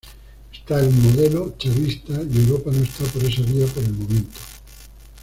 Está el modelo chavista, y Europa no está por esa vía por el momento.